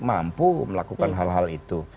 mampu melakukan hal hal itu